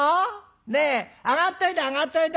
ねえ上がっといで上がっといで。